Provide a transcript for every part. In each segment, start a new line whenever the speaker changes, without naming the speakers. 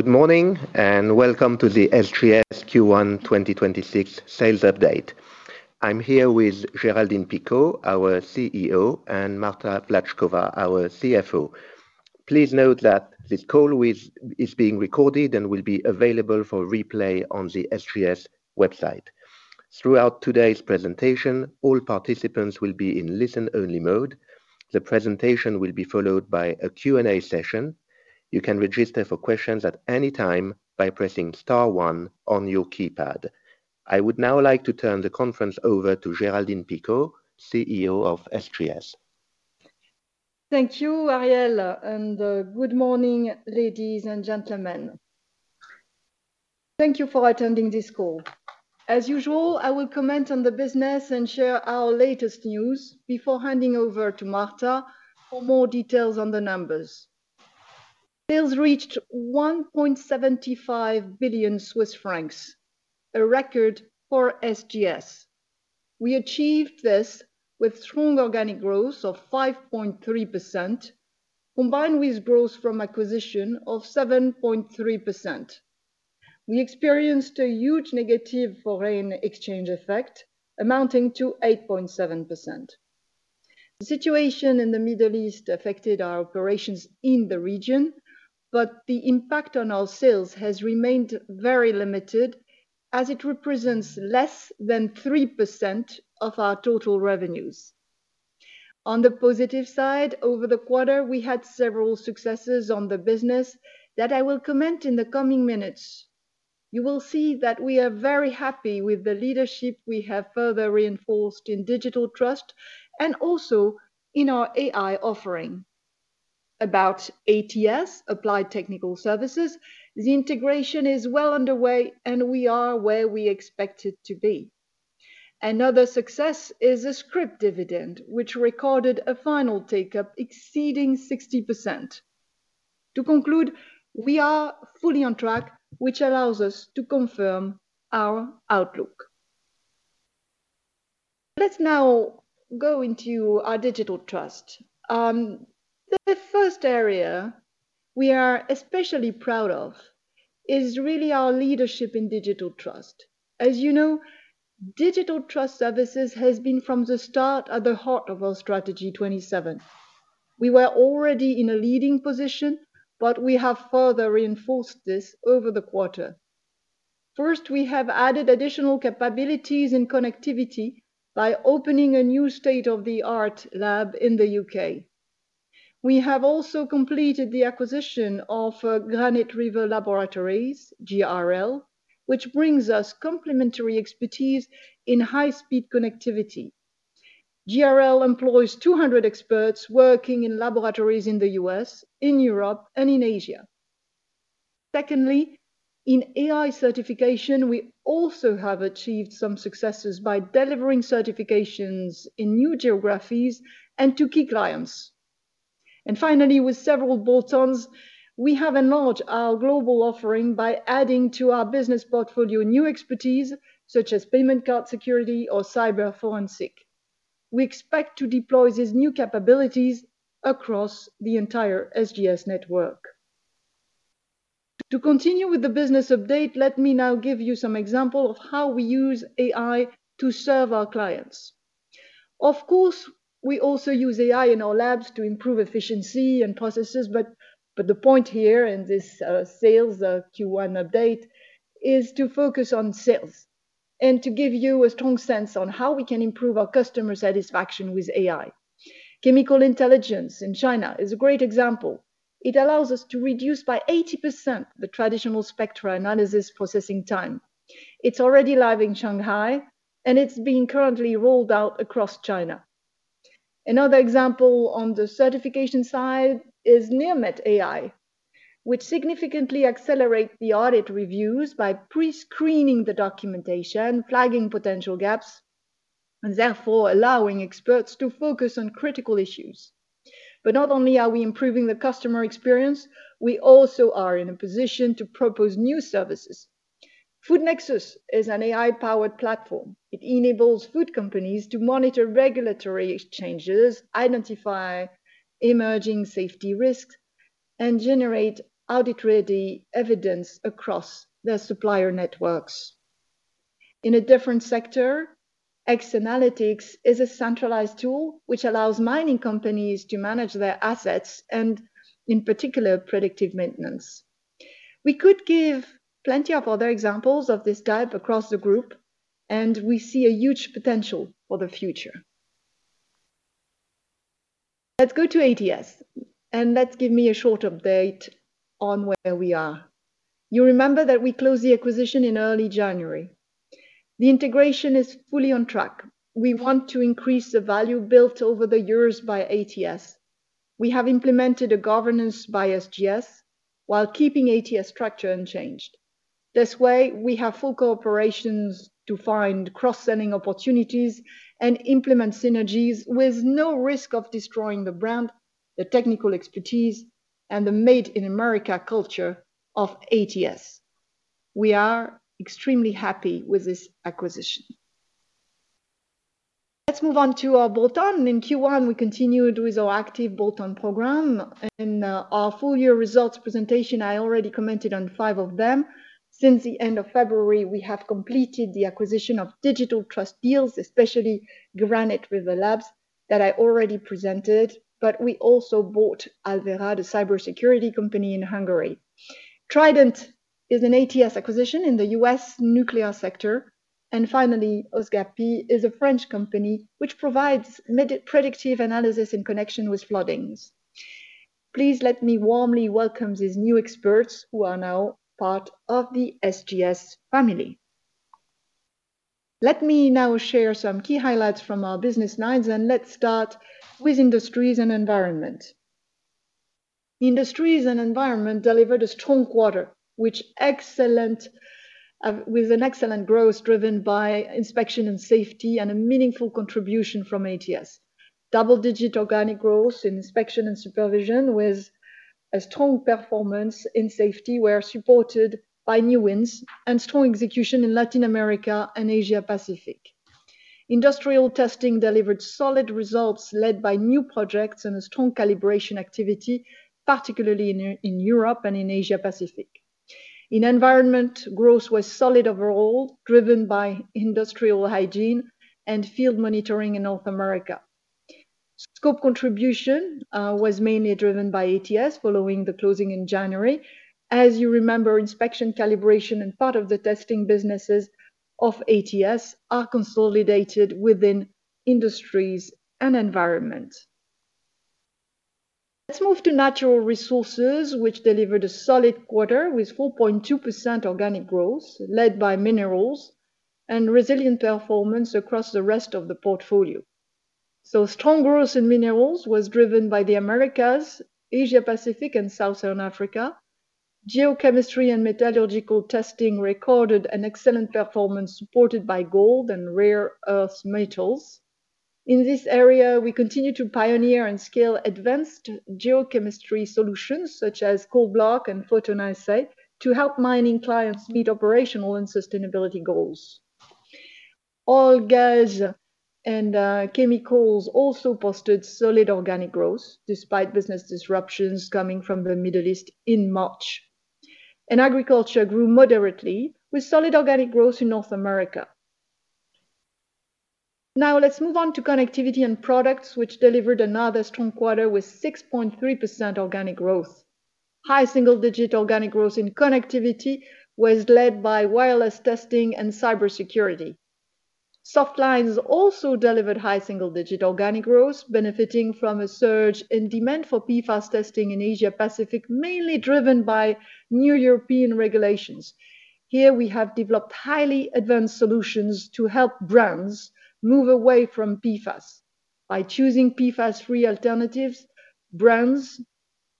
Good morning, and welcome to the SGS Q1 2026 sales update. I'm here with Géraldine Picaud, our CEO, and Marta Vlatchkova, our CFO. Please note that this call is being recorded and will be available for replay on the SGS website. Throughout today's presentation, all participants will be in listen-only mode. The presentation will be followed by a Q&A session. You can register for questions at any time by pressing star one on your keypad. I would now like to turn the conference over to Géraldine Picaud, CEO of SGS.
Thank you, Ariel, and good morning, ladies and gentlemen. Thank you for attending this call. As usual, I will comment on the business and share our latest news before handing over to Marta for more details on the numbers. Sales reached 1.75 billion Swiss francs, a record for SGS. We achieved this with strong organic growth of 5.3%, combined with growth from acquisition of 7.3%. We experienced a huge negative foreign exchange effect amounting to 8.7%. The situation in the Middle East affected our operations in the region, but the impact on our sales has remained very limited as it represents less than 3% of our total revenues. On the positive side, over the quarter, we had several successes on the business that I will comment on in the coming minutes. You will see that we are very happy with the leadership we have further reinforced in Digital Trust and also in our AI offering. About ATS, Applied Technical Services, the integration is well underway, and we are where we expected to be. Another success is the scrip dividend, which recorded a final take-up exceeding 60%. To conclude, we are fully on track, which allows us to confirm our outlook. Let's now go into our Digital Trust. The first area we are especially proud of is really our leadership in Digital Trust. As you know, Digital Trust Services has been, from the start, at the heart of our Strategy 27. We were already in a leading position, but we have further reinforced this over the quarter. First, we have added additional capabilities and connectivity by opening a new state-of-the-art lab in the U.K. We have also completed the acquisition of Granite River Labs, GRL, which brings us complementary expertise in high-speed connectivity. GRL employs 200 experts working in laboratories in the U.S., in Europe, and in Asia. Secondly, in AI certification, we also have achieved some successes by delivering certifications in new geographies and to key clients. Finally, with several bolt-ons, we have enlarged our global offering by adding to our business portfolio new expertise such as payment card security or cyber forensic. We expect to deploy these new capabilities across the entire SGS network. To continue with the business update, let me now give you some examples of how we use AI to serve our clients. Of course, we also use AI in our labs to improve efficiency and processes, but the point here in this sales Q1 update is to focus on sales and to give you a strong sense on how we can improve our customer satisfaction with AI. Chemical intelligence in China is a great example. It allows us to reduce by 80% the traditional spectra analysis processing time. It's already live in Shanghai, and it's being currently rolled out across China. Another example on the certification side is NearMet AI, which significantly accelerates the audit reviews by pre-screening the documentation, flagging potential gaps, and therefore allowing experts to focus on critical issues. Not only are we improving the customer experience, we also are in a position to propose new services. FoodNexus is an AI-powered platform. It enables food companies to monitor regulatory exchanges, identify emerging safety risks, and generate audit-ready evidence across their supplier networks. In a different sector, X-Analytics is a centralized tool which allows mining companies to manage their assets and, in particular, predictive maintenance. We could give plenty of other examples of this type across the group, and we see a huge potential for the future. Let's go to ATS, and let's give me a short update on where we are. You remember that we closed the acquisition in early January. The integration is fully on track. We want to increase the value built over the years by ATS. We have implemented a governance by SGS while keeping ATS structure unchanged. This way, we have full cooperation to find cross-selling opportunities and implement synergies with no risk of destroying the brand, the technical expertise, and the "Made in America" culture of ATS. We are extremely happy with this acquisition. Let's move on to our bolt-on. In Q1, we continued with our active bolt-on program. In our full-year results presentation, I already commented on five of them. Since the end of February, we have completed the acquisition of digital trust deals, especially Granite River Labs that I already presented, but we also bought Alverad, a cybersecurity company in Hungary. Trident is an ATS acquisition in the U.S. nuclear sector. Finally, OSGAPI is a French company which provides predictive analysis in connection with floodings. Please let me warmly welcome these new experts who are now part of the SGS family. Let me now share some key highlights from our business lines, and let's start with Industries and Environment. Industries and Environment delivered a strong quarter with an excellent growth driven by inspection and safety and a meaningful contribution from ATS. Double-digit organic growth in inspection and supervision, with a strong performance in safety were supported by new wins and strong execution in Latin America and Asia Pacific. Industrial testing delivered solid results, led by new projects and a strong calibration activity, particularly in Europe and in Asia Pacific. In environment, growth was solid overall, driven by industrial hygiene and field monitoring in North America. Scope contribution was mainly driven by ATS following the closing in January. As you remember, inspection, calibration, and part of the testing businesses of ATS are consolidated within industries and environment. Let's move to natural resources, which delivered a solid quarter with 4.2% organic growth, led by minerals, and resilient performance across the rest of the portfolio. Strong growth in minerals was driven by the Americas, Asia-Pacific, and Southern Africa. Geochemistry and metallurgical testing recorded an excellent performance supported by gold and rare earth metals. In this area, we continue to pioneer and scale advanced geochemistry solutions such as Coalblock and PhotonAssay to help mining clients meet operational and sustainability goals. Oil, gas, and chemicals also posted solid organic growth despite business disruptions coming from the Middle East in March. Agriculture grew moderately with solid organic growth in North America. Now let's move on to connectivity and products which delivered another strong quarter with 6.3% organic growth. High single-digit organic growth in connectivity was led by wireless testing and cybersecurity. Softlines also delivered high single-digit organic growth, benefiting from a surge in demand for PFAS testing in Asia-Pacific, mainly driven by new European regulations. Here we have developed highly advanced solutions to help brands move away from PFAS. By choosing PFAS-free alternatives, brands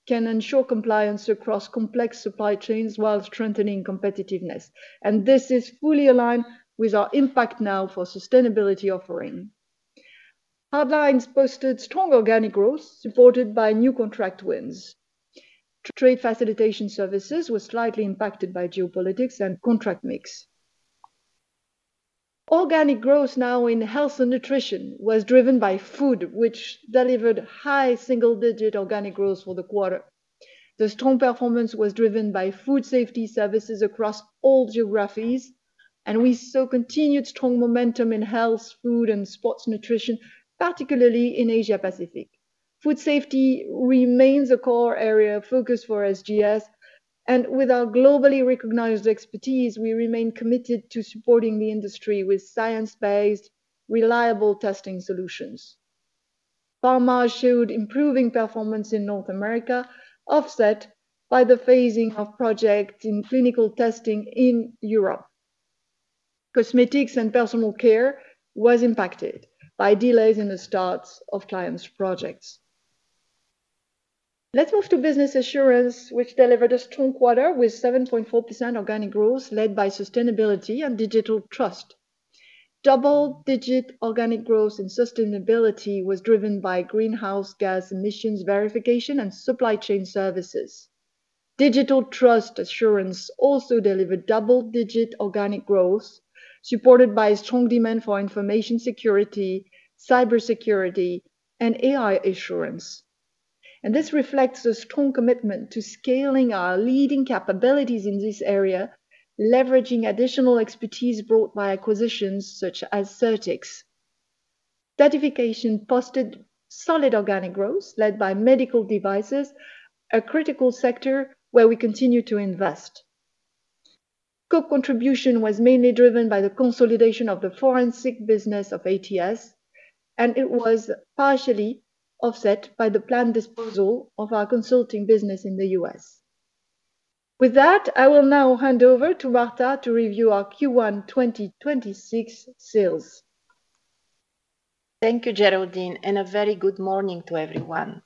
can ensure compliance across complex supply chains while strengthening competitiveness. This is fully aligned with our IMPACT NOW for sustainability offering. Hardlines posted strong organic growth supported by new contract wins. Trade facilitation services were slightly impacted by geopolitics and contract mix. Organic growth now in health and nutrition was driven by food, which delivered high single-digit organic growth for the quarter. The strong performance was driven by food safety services across all geographies, and we saw continued strong momentum in health, food, and sports nutrition, particularly in Asia-Pacific. Food safety remains a core area of focus for SGS, and with our globally recognized expertise, we remain committed to supporting the industry with science-based, reliable testing solutions. Pharma showed improving performance in North America, offset by the phasing of projects in clinical testing in Europe. Cosmetics and personal care was impacted by delays in the start of clients' projects. Let's move to business assurance, which delivered a strong quarter with 7.4% organic growth led by sustainability and digital trust. Double-digit organic growth in sustainability was driven by greenhouse gas emissions verification and supply chain services. Digital trust assurance also delivered double-digit organic growth, supported by strong demand for information security, cybersecurity, and AI assurance. This reflects a strong commitment to scaling our leading capabilities in this area, leveraging additional expertise brought by acquisitions such as CertX. Certification posted solid organic growth led by medical devices, a critical sector where we continue to invest. Scope contribution was mainly driven by the consolidation of the forensic business of ATS, and it was partially offset by the planned disposal of our consulting business in the U.S. With that, I will now hand over to Marta to review our Q1 2026 sales.
Thank you, Géraldine, and a very good morning to everyone.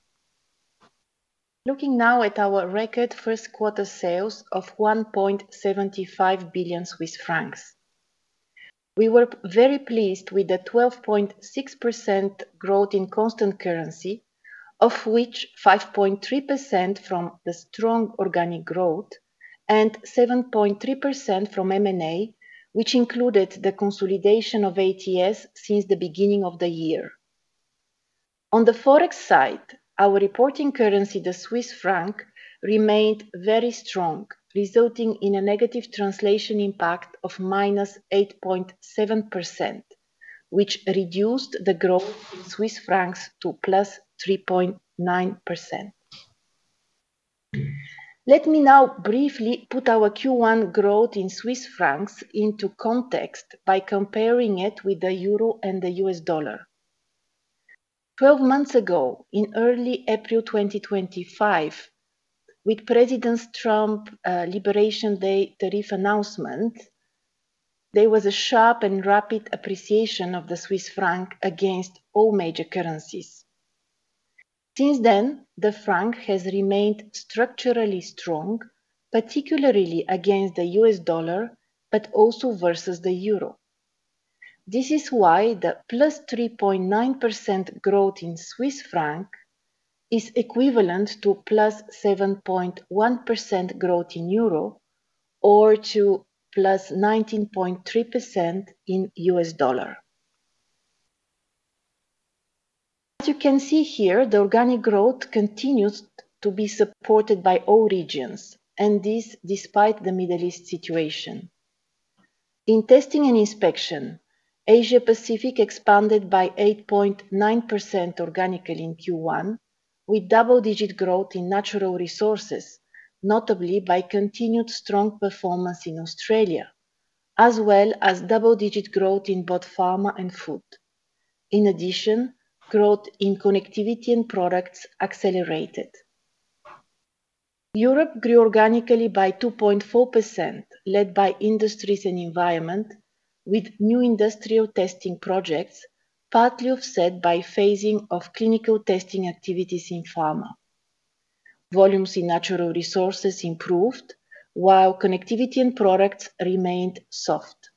Looking now at our record first quarter sales of 1.75 billion Swiss francs. We were very pleased with the 12.6% growth in constant currency. Of which 5.3% from the strong organic growth and 7.3% from M&A, which included the consolidation of ATS since the beginning of the year. On the Forex side, our reporting currency, the Swiss franc, remained very strong, resulting in a negative translation impact of -8.7%, which reduced the growth in Swiss francs to +3.9%. Let me now briefly put our Q1 growth in Swiss francs into context by comparing it with the euro and the US dollar. 12 months ago, in early April 2025, with President Trump liberation day tariff announcement, there was a sharp and rapid appreciation of the Swiss franc against all major currencies. Since then, the franc has remained structurally strong, particularly against the US dollar, but also versus the euro. This is why the +3.9% growth in Swiss franc is equivalent to +7.1% growth in euro or to +19.3% in US dollar. As you can see here, the organic growth continues to be supported by all regions, and this despite the Middle East situation. In testing and inspection, Asia Pacific expanded by 8.9% organically in Q1 with double-digit growth in natural resources, notably by continued strong performance in Australia, as well as double-digit growth in both pharma and food. In addition, growth in connectivity and products accelerated. Europe grew organically by 2.4%, led by industries and environment, with new industrial testing projects partly offset by phasing of clinical testing activities in pharma. Volumes in natural resources improved while connectivity and products remained soft.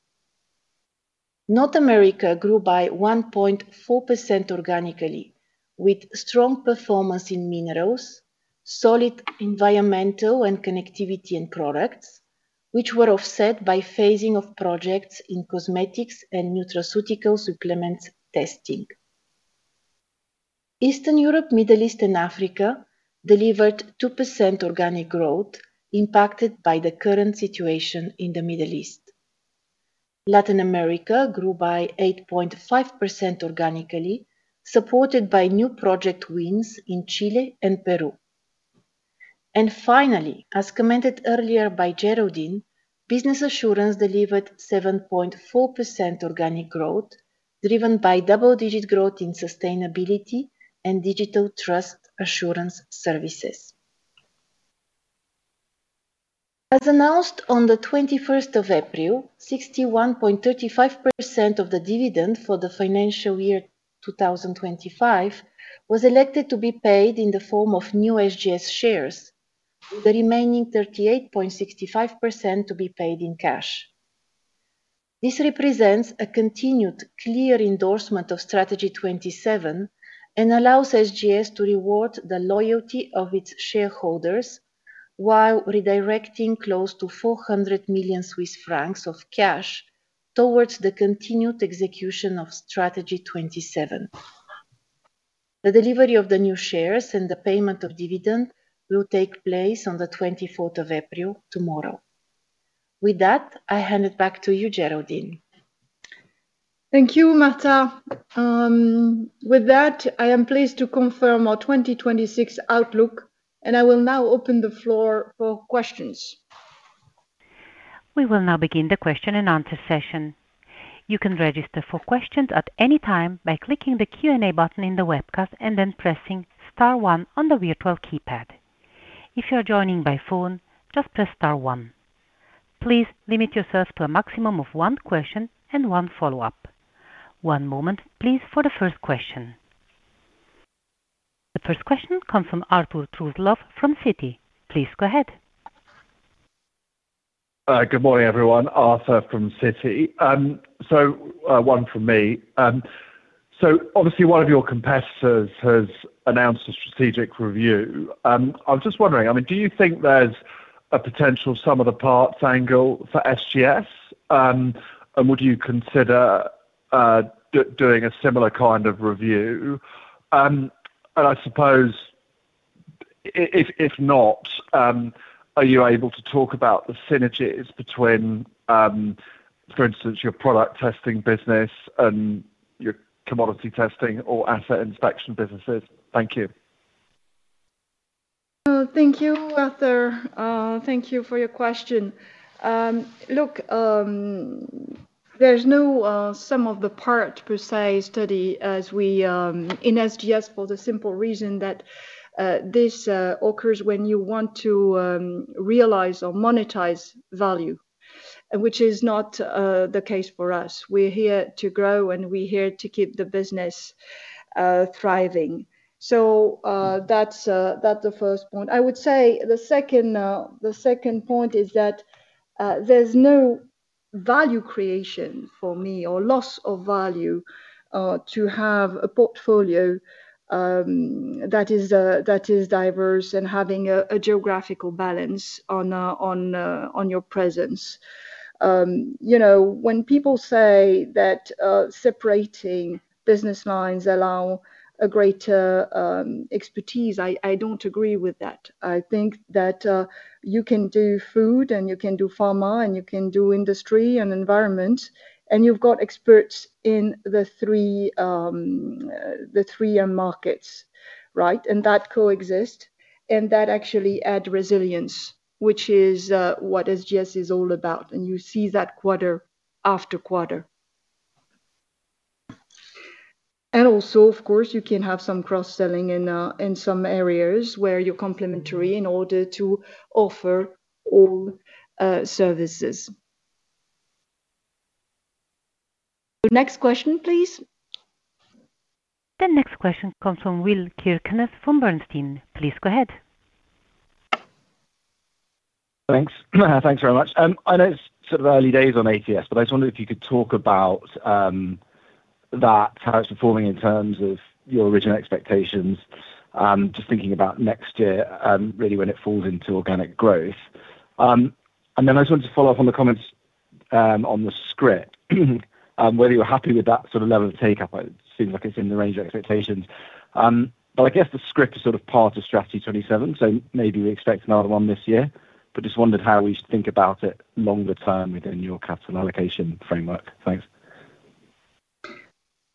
North America grew by 1.4% organically, with strong performance in minerals, solid environmental and connectivity in products, which were offset by phasing of projects in cosmetics and nutraceutical supplements testing. Eastern Europe, Middle East and Africa delivered 2% organic growth impacted by the current situation in the Middle East. Latin America grew by 8.5% organically, supported by new project wins in Chile and Peru. Finally, as commented earlier by Géraldine, business assurance delivered 7.4% organic growth, driven by double-digit growth in sustainability and digital trust assurance services. As announced on the 21st of April, 61.35% of the dividend for the financial year 2025 was elected to be paid in the form of new SGS shares, with the remaining 38.65% to be paid in cash. This represents a continued clear endorsement of Strategy 27 and allows SGS to reward the loyalty of its shareholders while redirecting close to 400 million Swiss francs of cash towards the continued execution of Strategy 27. The delivery of the new shares and the payment of dividend will take place on the 24th of April, tomorrow. With that, I hand it back to you, Géraldine.
Thank you, Marta. With that, I am pleased to confirm our 2026 outlook, and I will now open the floor for questions.
We will now begin the question and answer session. You can register for questions at any time by clicking the Q&A button in the webcast and then pressing star one on the virtual keypad. If you're joining by phone, just press star one. Please limit yourselves to a maximum of one question and one follow-up. One moment please for the first question. The first question comes from Arthur Truslove from Citi. Please go ahead.
Good morning, everyone. Arthur from Citi. One from me. Obviously one of your competitors has announced a strategic review. I was just wondering, do you think there's a potential sum of the parts angle for SGS? Would you consider doing a similar kind of review? I suppose if not, are you able to talk about the synergies between, for instance, your product testing business and your commodity testing or asset inspection businesses? Thank you.
Thank you, Arthur. Thank you for your question. Look, there's no sum-of-the-parts per se study in SGS for the simple reason that this occurs when you want to realize or monetize value, which is not the case for us. We're here to grow, and we're here to keep the business thriving. That's the first point. I would say the second point is that there's no value creation for me, or loss of value, to have a portfolio that is diverse and having a geographical balance on your presence. When people say that separating business lines allow a greater expertise, I don't agree with that. I think that you can do food, and you can do pharma, and you can do industry and environment, and you've got experts in the three end markets, right? that coexist, and that actually add resilience, which is what SGS is all about, and you see that quarter after quarter. Also, of course, you can have some cross-selling in some areas where you're complementary in order to offer all services. Next question, please.
The next question comes from Will Kirkness from Bernstein. Please go ahead.
Thanks. Thanks very much. I know it's early days on ATS, but I just wondered if you could talk about that, how it's performing in terms of your original expectations. Just thinking about next year, really when it falls into organic growth. Then I just wanted to follow up on the comments on the scrip, whether you're happy with that level of take-up. It seems like it's in the range of expectations. I guess the scrip is part of Strategy 27, so maybe we expect another one this year, but just wondered how we should think about it longer term within your capital allocation framework. Thanks.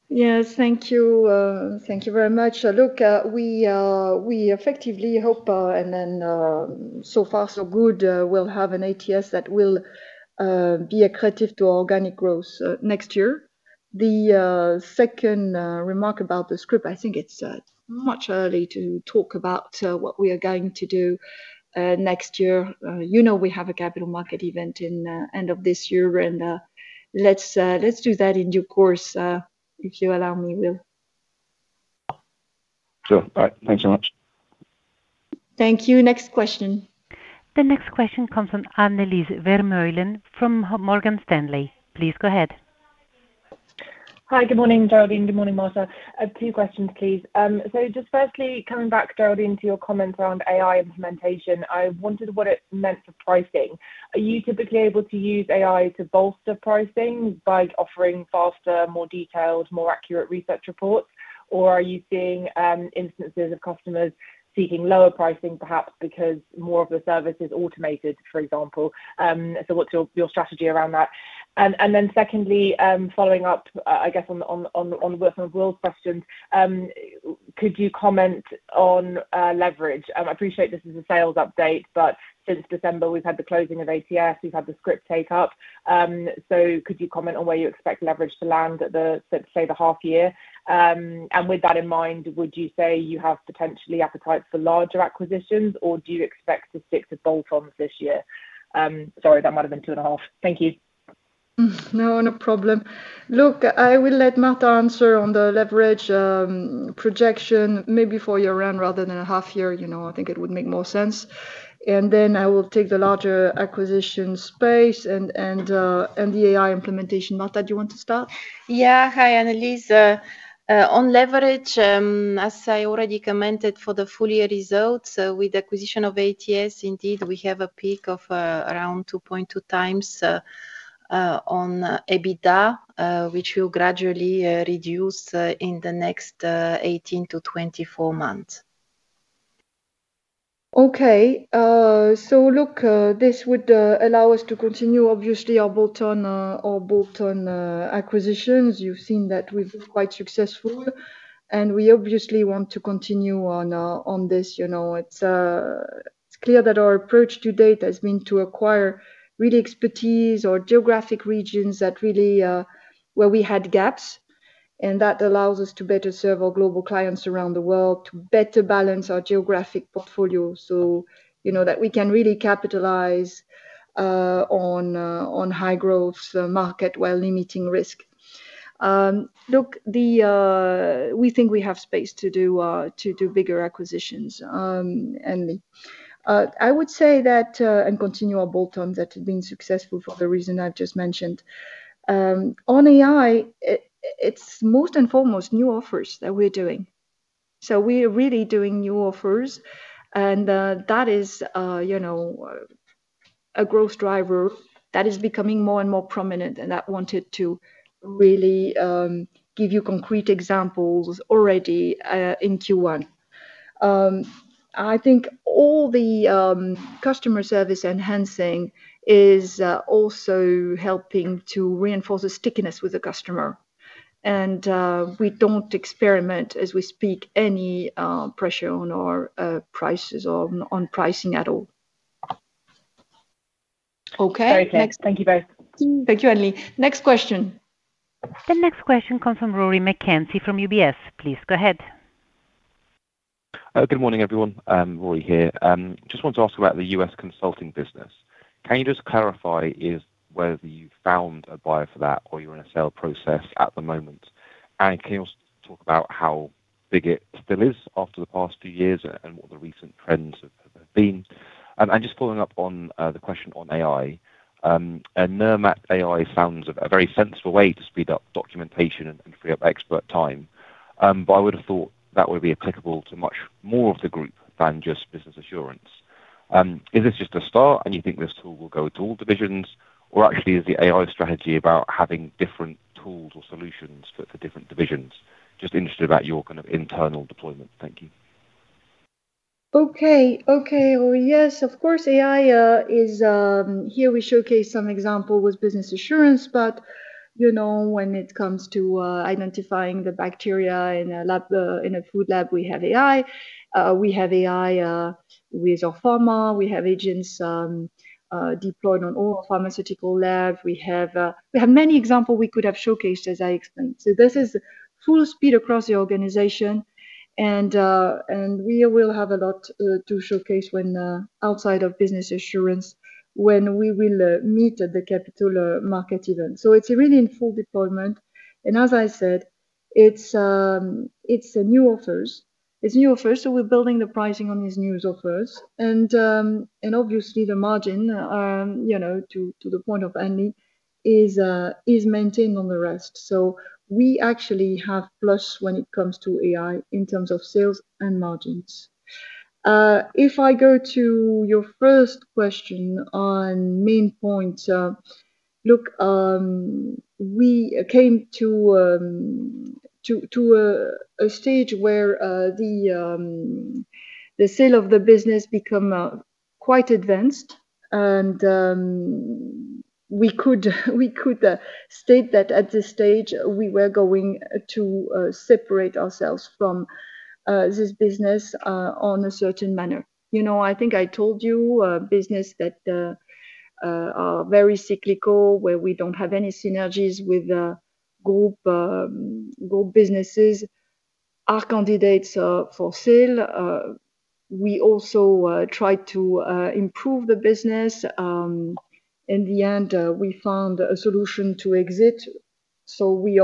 Yes. Thank you. Thank you very much. Look, we effectively hope, and then so far, so good, we'll have an ATS that will be accretive to our organic growth next year. The second remark about the scrip, I think it's much too early to talk about what we are going to do next year. You know we have a capital market event at the end of this year, and let's do that in due course, if you allow me, Will.
Sure. All right. Thanks so much.
Thank you. Next question.
The next question comes from Annelies Vermeulen from Morgan Stanley. Please go ahead.
Hi. Good morning, Géraldine. Good morning, Marta. Two questions, please. Just firstly, coming back, Géraldine, to your comments around AI implementation, I wondered what it meant for pricing. Are you typically able to use AI to bolster pricing by offering faster, more detailed, more accurate research reports? Or are you seeing instances of customers seeking lower pricing, perhaps because more of the service is automated, for example. What's your strategy around that? Secondly, following up, I guess on Will's questions, could you comment on leverage? I appreciate this is a sales update, but since December, we've had the closing of ATS, we've had the scrip take up. Could you comment on where you expect leverage to land at the half year? With that in mind, would you say you have potential appetite for larger acquisitions, or do you expect to stick to bolt-ons this year? Sorry, that might have been two and a half. Thank you.
No, not a problem. Look, I will let Marta answer on the leverage projection, maybe full year rather than a half year. I think it would make more sense. I will take the larger acquisition space and the AI implementation. Marta, do you want to start?
Yeah. Hi, Annelies. On leverage, as I already commented for the full-year results, with acquisition of ATS, indeed, we have a peak of around 2.2x EBITDA, which will gradually reduce in the next 18-24 months.
Okay. Look, this would allow us to continue, obviously, our bolt-on acquisitions. You've seen that we've been quite successful, and we obviously want to continue on this. It's clear that our approach to date has been to acquire really expertise or geographic regions where we had gaps, and that allows us to better serve our global clients around the world, to better balance our geographic portfolio so that we can really capitalize on high growth market while limiting risk. Look, we think we have space to do bigger acquisitions, Annelies. I would say that, and continual bolt-ons that have been successful for the reason I've just mentioned. On AI, it's first and foremost new offers that we're doing. We're really doing new offers, and that is a growth driver that is becoming more and more prominent, and I wanted to really give you concrete examples already in Q1. I think all the customer service enhancing is also helping to reinforce the stickiness with the customer. We don't experience, as we speak, any pressure on our prices or on pricing at all. Okay.
Very clear. Thank you both.
Thank you, Annelies. Next question.
The next question comes from Rory McKenzie from UBS. Please go ahead.
Good morning, everyone. Rory here. Just wanted to ask about the U.S. consulting business. Can you just clarify whether you found a buyer for that or you're in a sale process at the moment? Can you also talk about how big it still is after the past two years and what the recent trends have been? Just following up on the question on AI, NearMet AI sounds a very sensible way to speed up documentation and free up expert time. But I would have thought that would be applicable to much more of the group than just business assurance. Is this just a start, and you think this tool will go to all divisions? Or actually is the AI strategy about having different tools or solutions for different divisions? Just interested about your kind of internal deployment. Thank you.
Okay. Well, yes, of course, AI, here we showcase some example with business assurance, but when it comes to identifying the bacteria in a food lab, we have AI. We have AI with our pharma. We have agents deployed on all pharmaceutical lab. We have many example we could have showcased, as I explained. This is full speed across the organization and we will have a lot to showcase when outside of business assurance when we will meet at the Capital Market event. It's really in full deployment, and as I said, it's a new offers. We're building the pricing on these new offers, and obviously the margin, to the point of Anne, is maintained on the rest. We actually have plus when it comes to AI in terms of sales and margins. If I go to your first question on Maine Pointe. Look, we came to a stage where the sale of the business became quite advanced, and we could state that at this stage we were going to separate ourselves from this business in a certain manner. I think I told you businesses that are very cyclical, where we don't have any synergies with group businesses, are candidates for sale. We also try to improve the business. In the end, we found a solution to exit, so we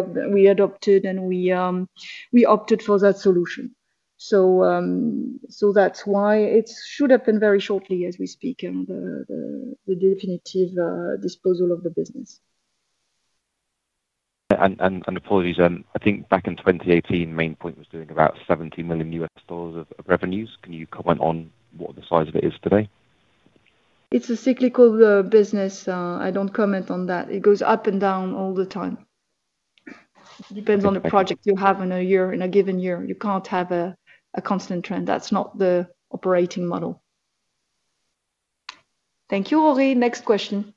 adopted, and we opted for that solution. That's why it should happen very shortly as we speak, the definitive disposal of the business.
Apologies, I think back in 2018, Maine Pointe was doing about $70 million of revenues. Can you comment on what the size of it is today?
It's a cyclical business. I don't comment on that. It goes up and down all the time. Depends on the project you have in a given year. You can't have a constant trend, that's not the operating model. Thank you, Rory McKenzie. Next question.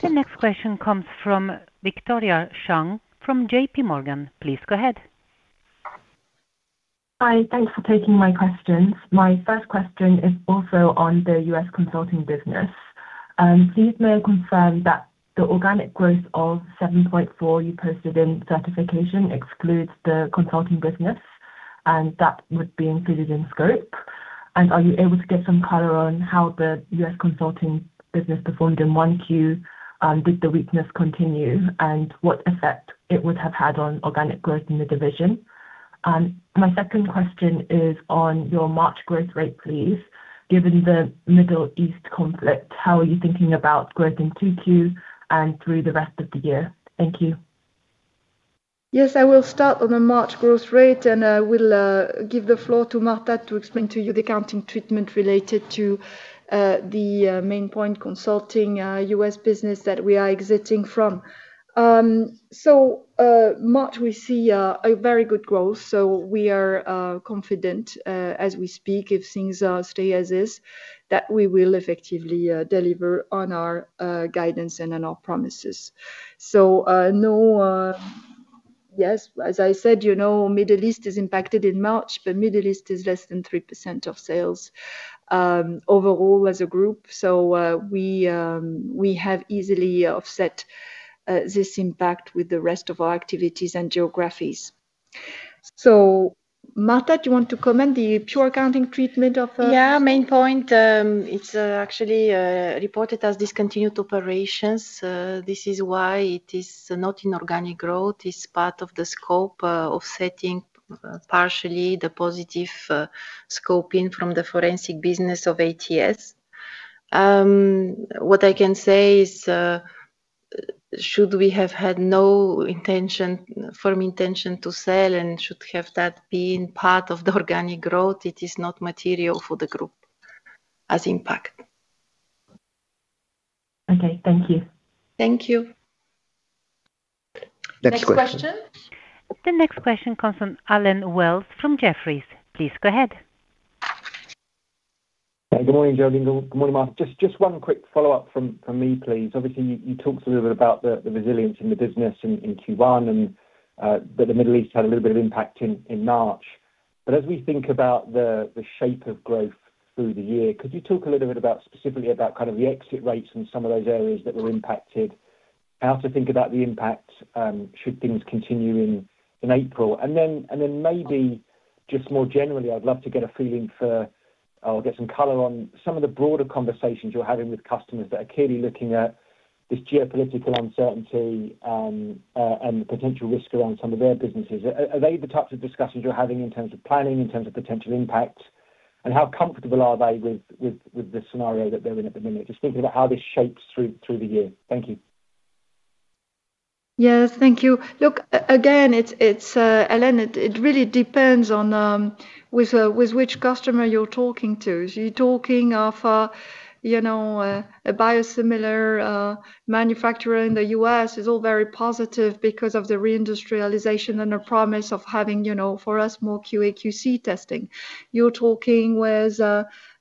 The next question comes from Victoria Chang from JP Morgan. Please go ahead.
Hi, thanks for taking my questions. My first question is also on the U.S. consulting business. Please may I confirm that the organic growth of 7.4% you posted in certification excludes the consulting business, and that would be included in scope? Are you able to give some color on how the U.S. consulting business performed in Q1? Did the weakness continue, and what effect it would have had on organic growth in the division? My second question is on your March growth rate, please. Given the Middle East conflict, how are you thinking about growth in Q2 and through the rest of the year? Thank you.
Yes, I will start on the March growth rate, and I will give the floor to Marta to explain to you the accounting treatment related to the Maine Pointe consulting U.S. business that we are exiting from. March we see a very good growth, so we are confident as we speak, if things stay as is, that we will effectively deliver on our guidance and on our promises. Yes, as I said, Middle East is impacted in March, but Middle East is less than 3% of sales overall as a group. We have easily offset this impact with the rest of our activities and geographies. Marta, do you want to comment the pure accounting treatment of-
Yeah, Maine Pointe, it's actually reported as discontinued operations. This is why it is not in organic growth. It's part of the scope offsetting partially the positive contribution from the forensic business of ATS. What I can say is, should we have had no firm intention to sell and should have that been part of the organic growth, it is not material for the group as an impact.
Okay, thank you.
Thank you. Next question.
The next question comes from Allen Wells from Jefferies. Please go ahead.
Good morning, Géraldine. Good morning, Marta. Just one quick follow-up from me, please. Obviously, you talked a little bit about the resilience in the business in Q1, and that the Middle East had a little bit of impact in March. As we think about the shape of growth through the year, could you talk a little bit about specifically about kind of the exit rates in some of those areas that were impacted? How to think about the impact should things continue in April? And then maybe just more generally, I'd love to get some color on some of the broader conversations you're having with customers that are clearly looking at this geopolitical uncertainty and the potential risk around some of their businesses. Are they the types of discussions you're having in terms of planning, in terms of potential impact, and how comfortable are they with the scenario that they're in at the minute? Just thinking about how this shapes through the year. Thank you.
Yes, thank you. Look, again, Allen, it really depends on with which customer you're talking to. If you're talking to a biosimilar manufacturer in the U.S., it's all very positive because of the reindustrialization and the promise of having, for us, more QA/QC testing. You're talking with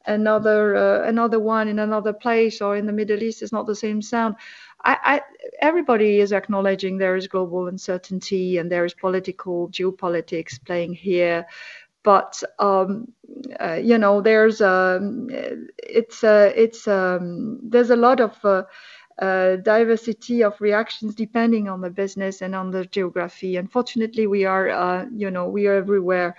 another one in another place or in the Middle East, it's not the same story. Everybody is acknowledging there is global uncertainty and there is geopolitics at play here. There's a lot of diversity of reactions depending on the business and on the geography. Fortunately, we are everywhere.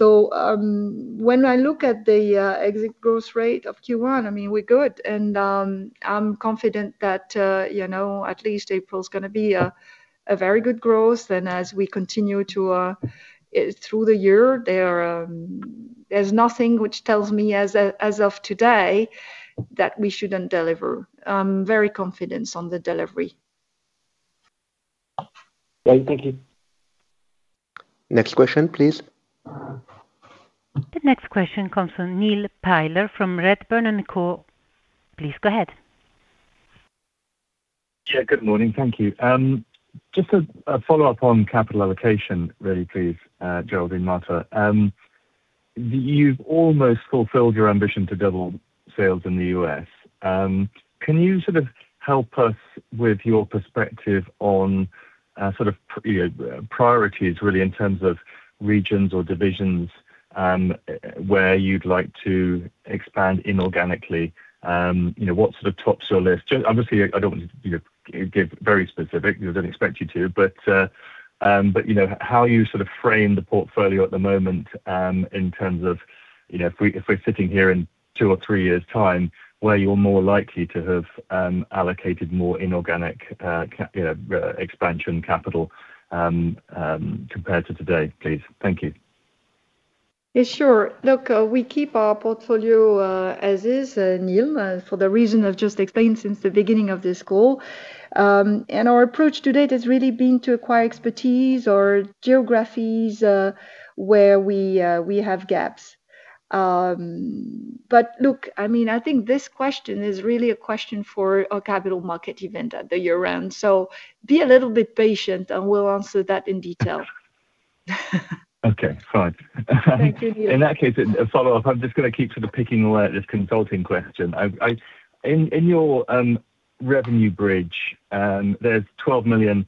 When I look at the exit growth rate of Q1, we're good, and I'm confident that at least April's going to be a very good growth and as we continue through the year, there's nothing which tells me as of today that we shouldn't deliver. I'm very confident on the delivery.
Great. Thank you.
Next question, please.
The next question comes from Neil Tyler from Redburn Atlantic. Please go ahead.
Yeah. Good morning. Thank you. Just a follow-up on capital allocation, really, please, Géraldine Picaud, Marta Vlatchkova. You've almost fulfilled your ambition to double sales in the U.S. Can you sort of help us with your perspective on sort of priorities, really, in terms of regions or divisions, where you'd like to expand inorganically? What sort of tops your list? Obviously, I don't want you to give very specific. I don't expect you to. But how you sort of frame the portfolio at the moment in terms of, if we're sitting here in two or three years' time, where you're more likely to have allocated more inorganic expansion capital compared to today, please? Thank you.
Yeah, sure. Look, we keep our portfolio as is, Neil, for the reason I've just explained since the beginning of this call. Our approach to date has really been to acquire expertise or geographies where we have gaps. Look, I think this question is really a question for our capital market event at the year-end. Be a little bit patient, and we'll answer that in detail.
Okay, fine.
Thank you, Neil.
In that case, a follow-up. I'm just going to keep sort of picking away at this consulting question. In your revenue bridge, there's 12 million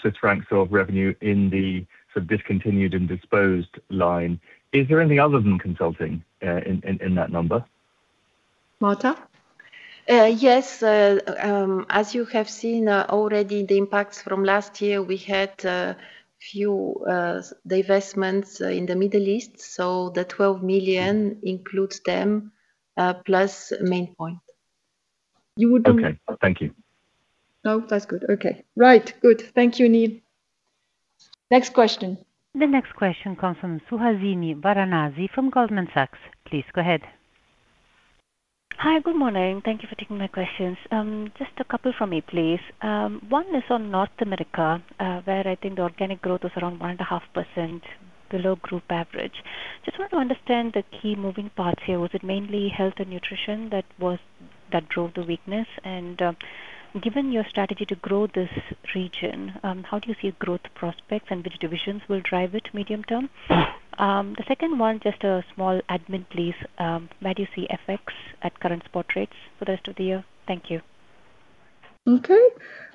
Swiss francs of revenue in the sort of discontinued and disposed line. Is there anything other than consulting in that number?
Marta?
Yes. As you have seen already the impacts from last year, we had a few divestments in the Middle East. The 12 million includes them, plus Maine Pointe.
You wouldn't-
Okay. Thank you.
No, that's good. Okay. Right. Good. Thank you, Neil. Next question.
The next question comes from Suhasini Varanasi from Goldman Sachs. Please go ahead.
Hi. Good morning. Thank you for taking my questions. Just a couple from me, please. One is on North America, where I think the organic growth was around 1.5%, below group average. Just want to understand the key moving parts here. Was it mainly health and nutrition that drove the weakness? And given your strategy to grow this region, how do you see growth prospects and which divisions will drive it medium-term? The second one, just a small admin, please. Where do you see FX at current spot rates for the rest of the year? Thank you.
Okay.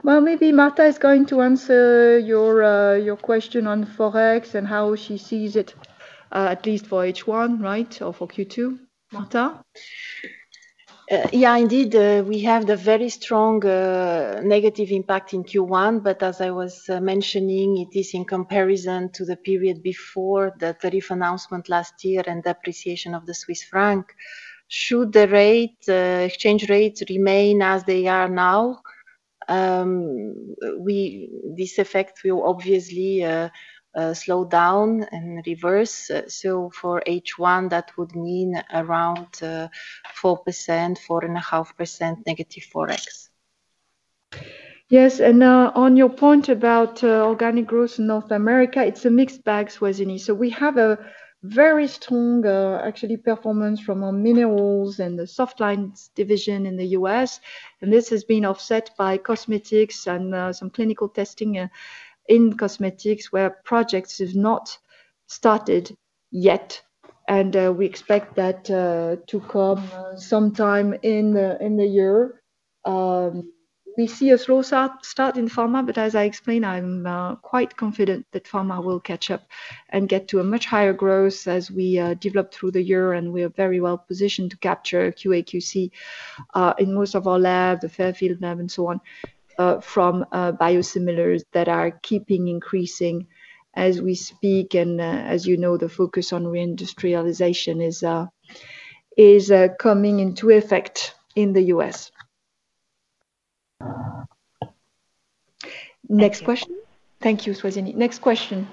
Well, maybe Marta is going to answer your question on Forex and how she sees it at least for H1, right, or for Q2. Marta?
Yeah, indeed. We have the very strong negative impact in Q1, but as I was mentioning, it is in comparison to the period before the tariff announcement last year and the appreciation of the Swiss franc. Should the exchange rates remain as they are now, this effect will obviously slow down and reverse. For H1, that would mean around 4%-4.5% negative Forex.
Yes, on your point about organic growth in North America, it's a mixed bag, Suhasini. We have a very strong actually performance from our minerals and the softlines division in the U.S., and this has been offset by cosmetics and some clinical testing in cosmetics where projects have not started yet, and we expect that to come sometime in the year. We see a slow start in pharma, but as I explained, I'm quite confident that pharma will catch up and get to a much higher growth as we develop through the year, and we are very well positioned to capture QA/QC, in most of our labs, the Fairfield lab and so on, from biosimilars that are keeping increasing as we speak, and as you know, the focus on reindustrialization is coming into effect in the U.S. Next question. Thank you, Suhasini. Next question.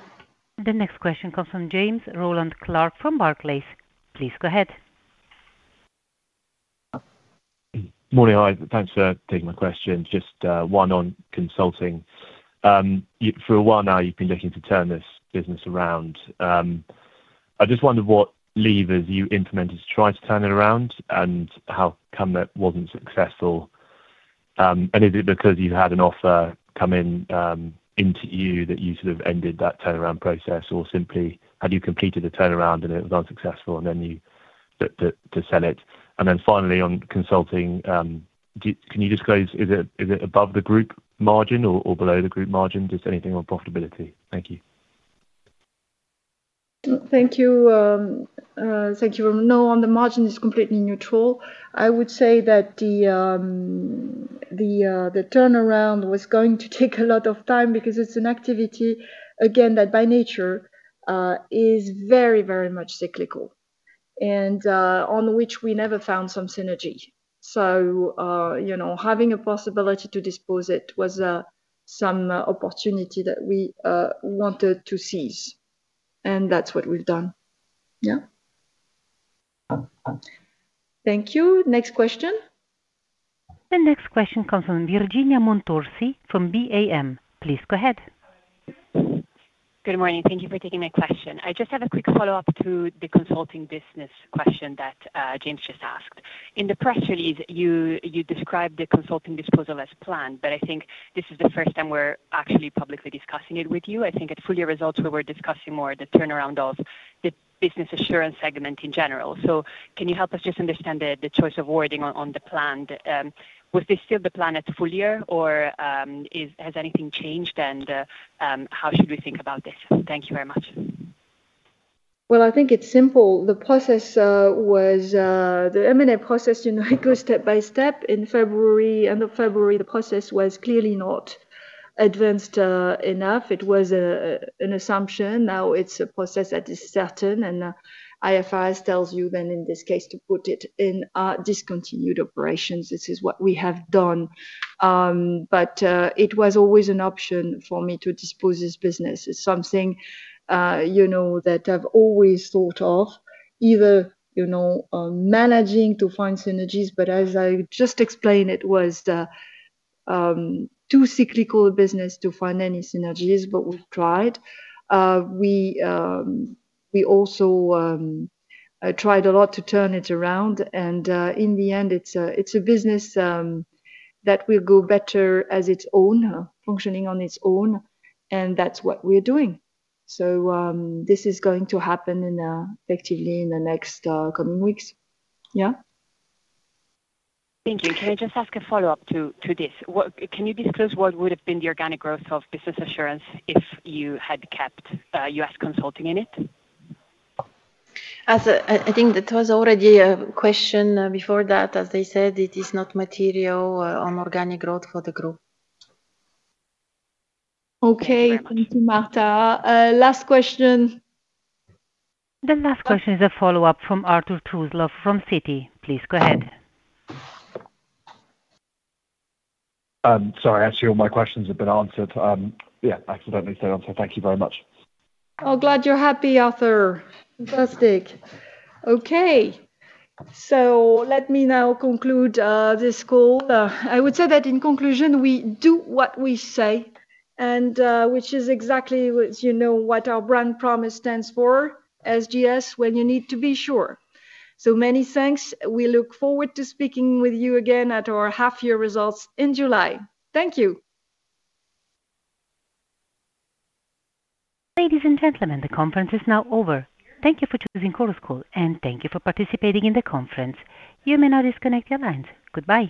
The next question comes from James Rowland Clark from Barclays. Please go ahead.
Morning. Hi. Thanks for taking my questions. Just one on consulting. For a while now, you've been looking to turn this business around. I just wondered what levers you implemented to try to turn it around and how come that wasn't successful. Is it because you had an offer come in to you that you sort of ended that turnaround process? Or simply had you completed a turnaround and it was unsuccessful and then you to sell it? Finally on consulting, can you disclose, is it above the group margin or below the group margin? Just anything on profitability. Thank you.
Thank you. No, on the margin is completely neutral. I would say that the turnaround was going to take a lot of time because it's an activity, again, that by nature is very, very much cyclical and on which we never found some synergy. Having a possibility to dispose it was some opportunity that we wanted to seize. That's what we've done. Yeah. Thank you. Next question.
The next question comes from Virginia Montorsi from Bank of America. Please go ahead.
Good morning. Thank you for taking my question. I just have a quick follow-up to the consulting business question that James just asked. In the press release, you described the consulting disposal as planned, but I think this is the first time we're actually publicly discussing it with you. I think at full year results, we were discussing more the turnaround of the business assurance segment in general. Can you help us just understand the choice of wording on the plan? Was this still the plan at full year or has anything changed? And how should we think about this? Thank you very much.
Well, I think it's simple. The M&A process goes step by step. End of February, the process was clearly not advanced enough. It was an assumption. Now it's a process that is certain, and IFRS tells you then, in this case, to put it in our discontinued operations. This is what we have done. It was always an option for me to dispose of this business. It's something that I've always thought of, either managing to find synergies, but as I just explained, it was too cyclical a business to find any synergies. We've tried. We also tried a lot to turn it around, and in the end, it's a business that will go better on its own, functioning on its own, and that's what we're doing. This is going to happen effectively in the coming weeks. Yeah.
Thank you. Can I just ask a follow-up to this? Can you disclose what would have been the organic growth of business assurance if you had kept U.S. consulting in it?
I think that was already a question before that. As they said, it is not material on organic growth for the group.
Okay. Thank you, Marta. Last question.
The last question is a follow-up from Arthur Truslove from Citi. Please go ahead.
Sorry. Actually, all my questions have been answered. Yeah, accidentally stayed on, so thank you very much.
Oh, glad you're happy, Arthur. Fantastic. Okay, let me now conclude this call. I would say that in conclusion, we do what we say and which is exactly what our brand promise stands for, SGS, when you need to be sure. Many thanks. We look forward to speaking with you again at our half year results in July. Thank you.
Ladies and gentlemen, the conference is now over. Thank you for choosing Chorus Call, and thank you for participating in the conference. You may now disconnect your lines. Goodbye